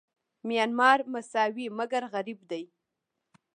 میانمار مساوي مګر غریب دی.